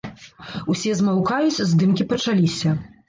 Усе змаўкаюць, здымкі пачаліся.